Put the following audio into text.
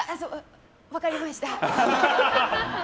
分かりました？